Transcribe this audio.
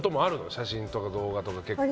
写真とか動画とか結構。